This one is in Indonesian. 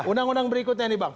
undang undang berikutnya nih bang